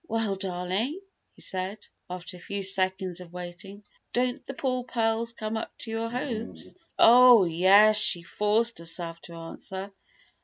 "Well, darling," he said, after a few seconds of waiting. "Don't the poor pearls come up to your hopes?" "Oh, yes!" she forced herself to answer.